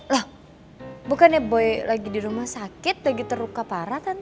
lah bukannya boy lagi di rumah sakit lagi terluka parah kan